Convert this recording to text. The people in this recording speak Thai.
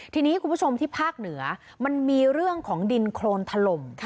ทีนี้คุณผู้ชมที่ภาคเหนือมันมีเรื่องของดินโครนถล่ม